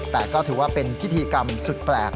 แต่ก็ถือว่าเป็นพิธีกรรมสุดแปลก